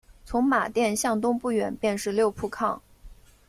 从马甸向东不远便是六铺炕。